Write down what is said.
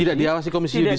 tidak diawasi komisi judisial